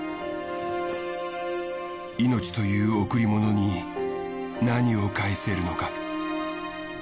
命という贈り物に何を返せるのか。